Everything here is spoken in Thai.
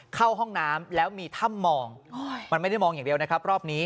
เข้าห้องน้ำแล้วมีถ้ำมองมันไม่ได้มองอย่างเดียวนะครับรอบนี้